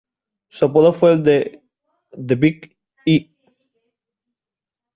Su apodo fue el de "The big E".